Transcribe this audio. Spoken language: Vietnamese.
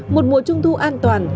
một mùa trung thu an toàn